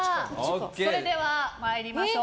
それでは参りましょう。